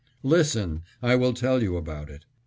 Listen! I will tell you about it.